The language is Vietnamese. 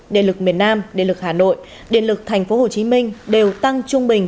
điện lực miền nam điện lực hà nội điện lực thành phố hồ chí minh đều tăng trung bình